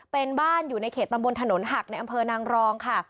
เป็นบ้านอยู่ในเขตตำบลถนนหักในอำเภอนางรองค่ะ